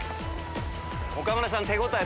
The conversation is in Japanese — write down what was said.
岡村さん手応え